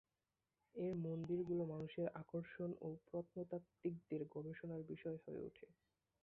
এর মন্দিরগুলো মানুষের আকর্ষণ ও প্রত্নতাত্ত্বিকদের গবেষণার বিষয় হয়ে ওঠে।